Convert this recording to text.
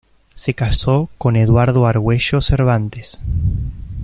Se casó con Eduardo Argüello Cervantes.